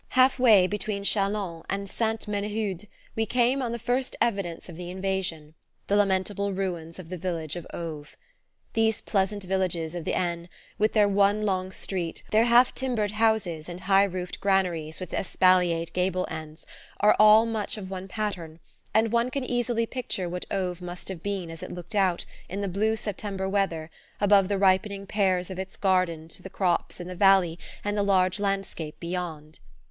Half way between Chalons and Sainte Menehould we came on the first evidence of the invasion: the lamentable ruins of the village of Auve. These pleasant villages of the Aisne, with their one long street, their half timbered houses and high roofed granaries with espaliered gable ends, are all much of one pattern, and one can easily picture what Auve must have been as it looked out, in the blue September weather, above the ripening pears of its gardens to the crops in the valley and the large landscape beyond.